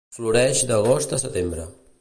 Floreix d'agost a setembre.